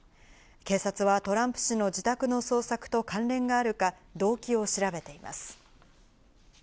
警察はトランプ氏の自宅の捜索と関連があるか動機を調べています。